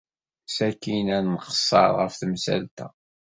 Sakkin ad nqeṣṣer ɣef temsalt-a.